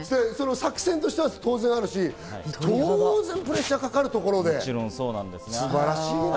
作戦として当然あるし、プレッシャーがかかるところで素晴らしいな。